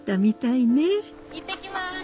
行ってきます。